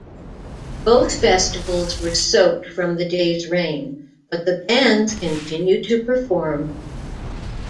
Both festivals were soaked from the day's rain, but the bands continued to perform.